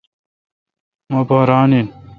مہ پا ران این۔